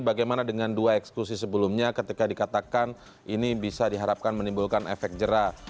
bagaimana dengan dua eksklusi sebelumnya ketika dikatakan ini bisa diharapkan menimbulkan efek jerah